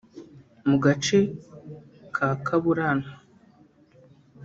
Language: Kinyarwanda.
mu gace ka Kaburantwa